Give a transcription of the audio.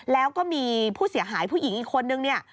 แล้วก็มีผู้เสียหายผู้หญิงอีกคนนึงเนี่ย